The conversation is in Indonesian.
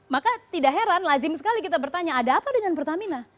maka tidak heran lazim sekali kita bertanya ada apa dengan pertamina